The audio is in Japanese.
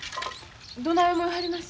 どない思いはります？